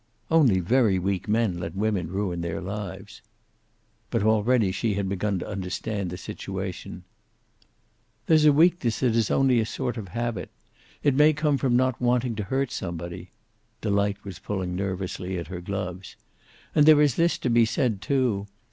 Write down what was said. "Only very weak men let women ruin their lives." But already she began to understand the situation. "There's a weakness that is only a sort of habit. It may come from not wanting to hurt somebody." Delight was pulling nervously at her gloves. "And there is this to be said, too.